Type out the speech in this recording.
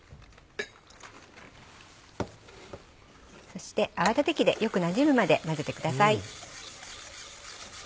そして泡立て器でよくなじむまで混ぜてください。